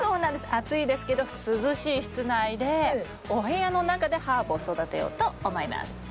暑いですけど涼しい室内でお部屋の中でハーブを育てようと思います。